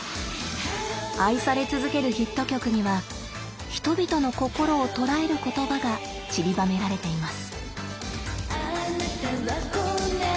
愛され続けるヒット曲には人々の心を捉える言葉がちりばめられています。